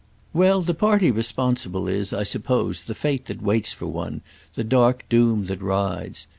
"Well, the party responsible is, I suppose, the fate that waits for one, the dark doom that rides.